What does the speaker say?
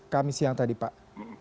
kami siang tadi pak